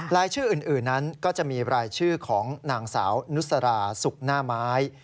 รายชื่ออื่นนั้นก็จะมีรายชื่อของนางสาวนุสราสุกหน้าไม้